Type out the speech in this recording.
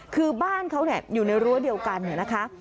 คือบ้านเขาอยู่ในรั้วเดียวกันนะคะ